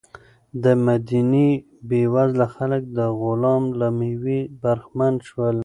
د مدینې بېوزله خلک د غلام له مېوې برخمن شول.